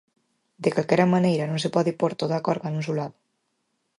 De calquera maneira, non se pode pór toda a carga nun só lado.